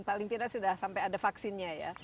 paling tidak sudah sampai ada vaksinnya ya